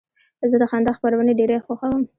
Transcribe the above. زه د خندا خپرونې ډېرې خوښوم.